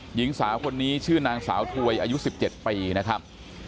หญิงสาวคนนี้ชื่อนางสาวถวยอายุ๑๗ปีนะครับ